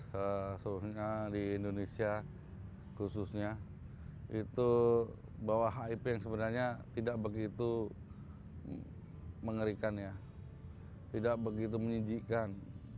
sebenarnya di indonesia khususnya itu bahwa hip yang sebenarnya tidak begitu mengerikan ya tidak begitu menyijikan